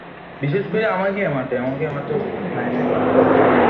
সাইকোপ্যাথের বুদ্ধিমত্তা, মন-মানসিকতা অন্যদের চেয়ে আলাদা।